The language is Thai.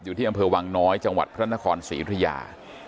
อยู่ที่อำเภอวังน้อยจังหวัดพระนครศรีอุทยา